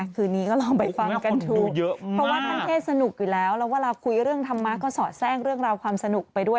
คืนนี้ก็ลองไปฟังกันถูกเยอะมากเพราะว่าท่านเทศสนุกอยู่แล้วแล้วเวลาคุยเรื่องธรรมะก็สอดแทรกเรื่องราวความสนุกไปด้วย